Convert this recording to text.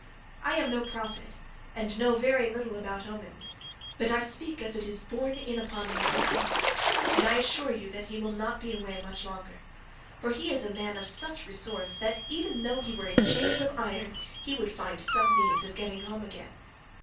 I am no prophet, and know very little about omens, but I speak as it is borne in upon me from heaven, and assure you that he will not be away much longer; for he is a man of such resource that even though he were in chains of iron he would find some means of getting home again.